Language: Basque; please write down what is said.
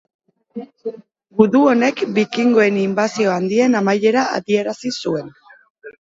Gudu honek bikingoen inbasio handien amaiera adierazi zuen.